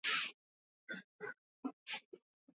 sukuma chapati zako